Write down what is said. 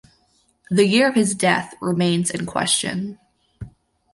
The year of his death remains in question.